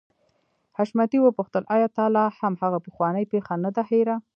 حشمتي وپوښتل آيا تا لا هم هغه پخوانۍ پيښه نه ده هېره.